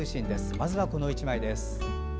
まずはこの１枚です。